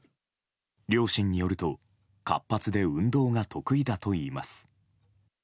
両親によると活発で運動が得意だといいます。